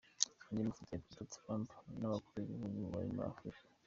Andi mafoto ya Perezida Trump n’abakuru b’ibihugu muri Afurika.